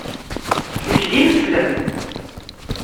Nekk d imeslem.